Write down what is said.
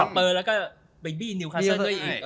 สเปอร์แล้วก็เบบีนิวคาซ่อนด้วยอีก